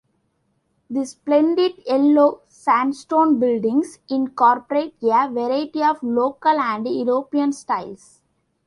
These splendid yellow sandstone buildings incorporate a variety of local and European styles.